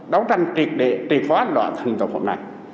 đấu tranh triệt địa triệt khóa loại thân tộc hôm nay